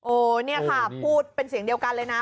เนี่ยค่ะพูดเป็นเสียงเดียวกันเลยนะ